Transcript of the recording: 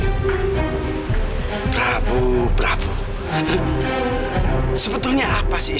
amira sudah tinggal sama saya